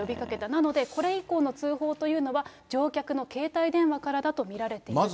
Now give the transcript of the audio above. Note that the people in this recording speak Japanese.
なので、これ以降の通報というのは、乗客の携帯電話からだと見られている。